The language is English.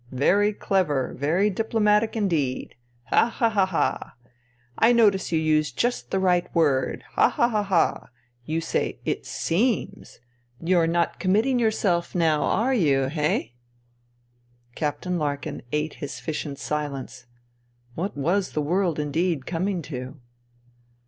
Very clever, very diplomatic indeed. Ha, ha, ha, ha ! I notice you use just the right word. Ha, ha, ha, ha 1 You say ' it seems.' You're not committing yourself, now are you, eh ?" Captain Larkin ate his fish in silence. What was the world indeed coming to